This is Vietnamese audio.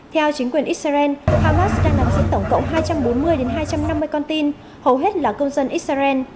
theo chính quyền israel hamas đang nắm giữ tổng cộng hai trăm bốn mươi hai trăm năm mươi con tin hầu hết là công dân israel